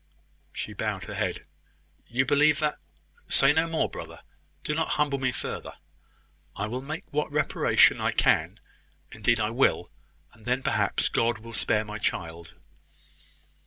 She bowed her head. "You believe that ." "Say no more, brother. Do not humble me further. I will make what reparation I can indeed I will and then perhaps God will spare my child."